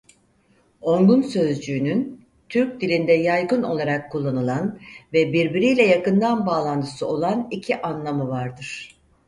Ongun sözcüğünün Türk dilinde yaygın olarak kullanılan ve birbiriyle yakından bağlantısı olan iki anlamı vardır.